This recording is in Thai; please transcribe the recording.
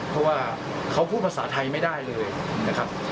เพราะว่าเขาพูดภาษาไทยไม่ได้เลยนะครับ